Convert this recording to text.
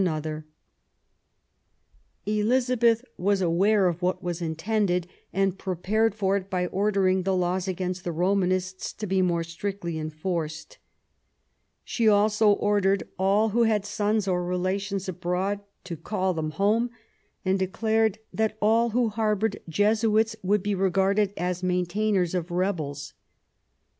THE ALENgON MARRIAGE, 197 Elizabeth was aware of what was intended, and prepared for it by ordering the laws against the Romanists to be more strictly enforced. She also ordered all who had sons or relations abroad to call them home, and declared that all who harboured Jesuits would be regarded as maintainers of rebels.